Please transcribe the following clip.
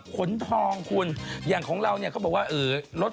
ก็อย่าชั่วนะเจ้าอุบาท